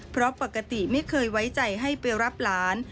เพราะปกติไม่เคยไว้ใจให้ไปรับหลาน